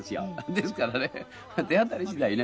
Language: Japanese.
ですからね手当たり次第ね。